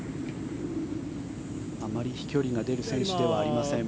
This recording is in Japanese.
あまり飛距離が出る選手ではありません。